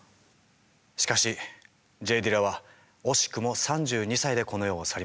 しかしＪ・ディラは惜しくも３２歳でこの世を去りました。